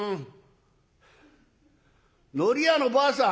のり屋のばあさん